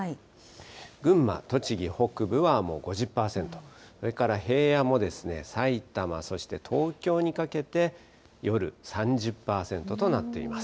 群馬、栃木北部はもう５０％、それから平野もさいたま、そして東京にかけて、夜３０％となっています。